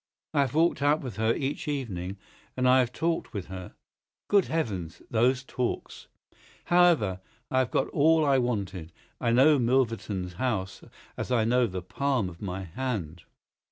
I have walked out with her each evening, and I have talked with her. Good heavens, those talks! However, I have got all I wanted. I know Milverton's house as I know the palm of my hand."